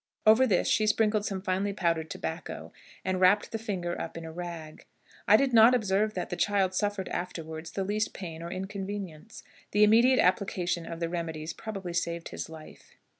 Over this she sprinkled some finely powdered tobacco, and wrapped the finger up in a rag. I did not observe that the child suffered afterward the least pain or inconvenience. The immediate application of the remedies probably saved his life.